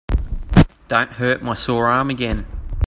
Don't hurt my sore arm again.